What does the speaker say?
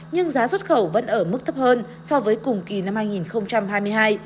nhưng giá xuất khẩu vẫn ở mức thấp hơn so với cùng kỳ năm hai nghìn hai mươi hai